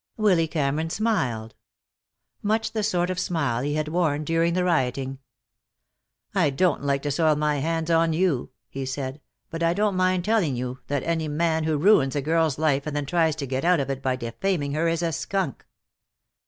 Willy Cameron smiled. Much the sort of smile he had worn during the rioting. "I don't like to soil my hands on you," he said, "but I don't mind telling you that any man who ruins a girl's life and then tries to get out of it by defaming her, is a skunk."